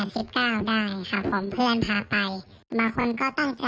อัลดอร์มันดีกว่าที่ว่าเราไม่ต้องรู้จักกันอย่างนี้ครับ